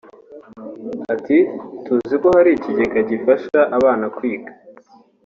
Ati “Tuzi ko hari ikigega gifasha abana kwiga